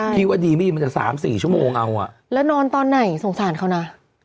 พี่ว่าดีมี่มันจะสามสี่ชั่วโมงเอาอ่ะแล้วนอนตอนไหนสงสารเขานะ